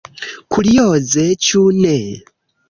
Kurioze, ĉu ne?